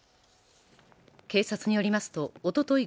警察によりますとおととい